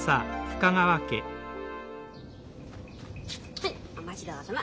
はいお待ちどおさま。